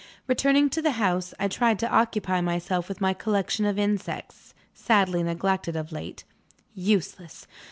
Returning to the house, I tried to occupy myself with my collection of insects, sadly neglected of late. Useless!